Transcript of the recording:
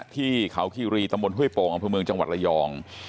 ที่เขาคีรีตะมนต์ฮ่วยโปอันพลังเมืองจังหวัดระยอง